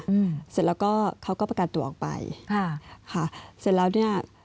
อืมเสร็จแล้วก็เขาก็ประกันตัวออกไปค่ะค่ะเสร็จแล้วเนี้ย